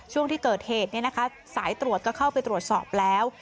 ช่วงที่เกิดเหตุสายตรวจก็เข้าไปตรวจสอบแล้ว